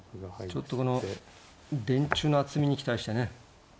ちょっとこの電柱の厚みに期待してね。